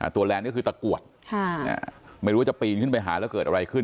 แลนด์ก็คือตะกรวดไม่รู้ว่าจะปีนขึ้นไปหาแล้วเกิดอะไรขึ้น